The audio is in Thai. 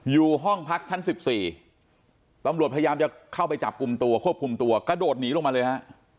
อยู่ห้องพักชั้น๑๔ตำรวจพยายามจะเข้าไปจับกลุ่มตัวควบคุมตัวกระโดดหนีลงมาเลยฮะ